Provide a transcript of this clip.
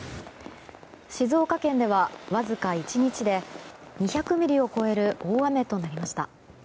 静岡県ではわずか１日で２００ミリを超える大雨となりました。